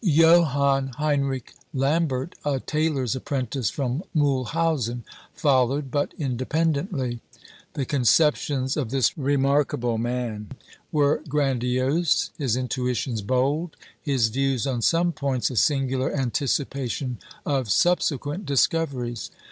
Johann Heinrich Lambert, a tailor's apprentice from Mühlhausen, followed, but independently. The conceptions of this remarkable man were grandiose, his intuitions bold, his views on some points a singular anticipation of subsequent discoveries.